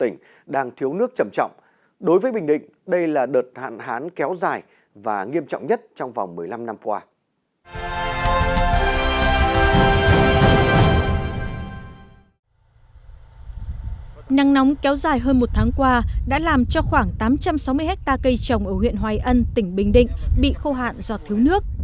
năng nóng kéo dài hơn một tháng qua đã làm cho khoảng tám trăm sáu mươi hectare cây trồng ở huyện hoài ân tỉnh bình định bị khô hạn do thiếu nước